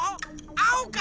あおか？